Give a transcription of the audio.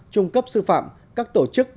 trung cấp sư phạm các tổ chức